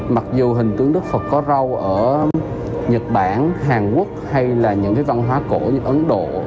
mặc dù hình tượng đức phật có râu ở nhật bản hàn quốc hay là những cái văn hóa cổ như ấn độ